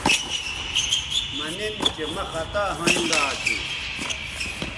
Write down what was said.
مہ نن چہ مہ خطا ھوینگا اسو